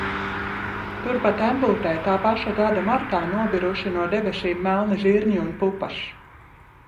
Turpat Embūtē tā paša gada martā nobiruši no debesīm melni zirņi un pupas.